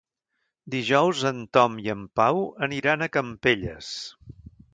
Dijous en Tom i en Pau aniran a Campelles.